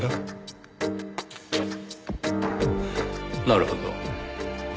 なるほど。